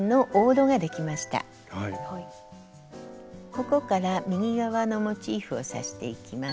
ここから右側のモチーフを刺していきます。